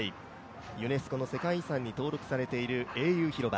ユネスコの世界遺産に登録されている英雄広場。